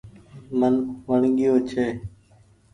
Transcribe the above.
من وڻگيو ڇي۔